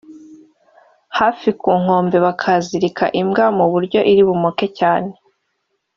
hafi ku nkombe bakahazirika imbwa mu buryo iri bumoke cyane